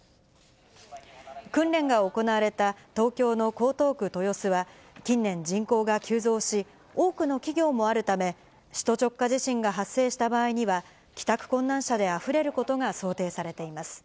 訓練が行われた東京の江東区豊洲は、近年、人口が急増し、多くの企業もあるため、首都直下地震が発生した場合には、帰宅困難者であふれることが想定されています。